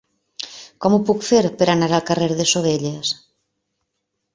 Com ho puc fer per anar al carrer de Sovelles?